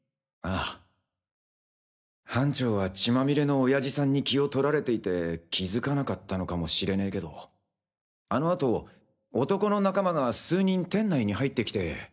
あぁ班長は血まみれの親父さんに気をとられていて気付かなかったのかもしれねぇけどあのあと男の仲間が数人店内に入ってきて。